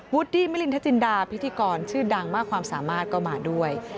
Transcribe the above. ดี้มลินทจินดาพิธีกรชื่อดังมากความสามารถก็มาด้วย